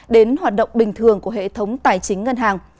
đến hoạt động bình thường của hệ thống tài chính ngân hàng